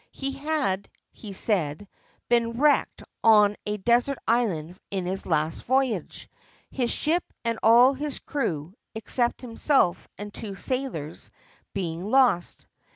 He had, he said, been wrecked on a desert island in his last voyage, his ship and all the crew, except himself and two sailors, being lost.